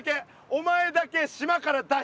お前だけ島から脱出するな！